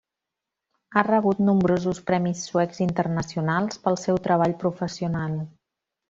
Ha rebut nombrosos premis suecs i internacionals pel seu treball professional.